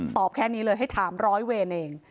แค่นี้เลยให้ถามร้อยเวรเอง